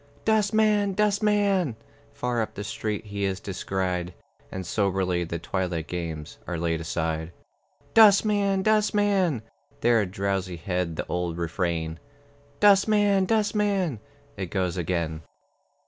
"Dustman, dustman!" Far up the street he is descried, And soberly the twilight games Are laid aside. "Dustman, dustman!" There, Drowsyhead, the old refrain, "Dustman, dustman!" It goes again.